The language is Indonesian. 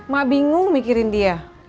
mak bingung mikirin dia